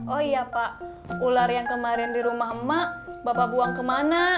oh iya pak ular yang kemarin di rumah emak bapak buang kemana